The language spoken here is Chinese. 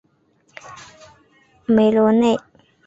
梅罗内。